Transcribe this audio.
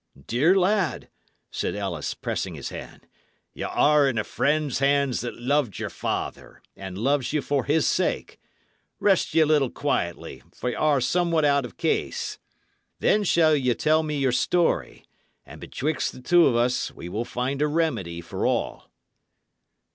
"Dear lad," said Ellis, pressing his hand, "y' are in a friend's hands that loved your father, and loves you for his sake. Rest ye a little quietly, for ye are somewhat out of case. Then shall ye tell me your story, and betwixt the two of us we shall find a remedy for all."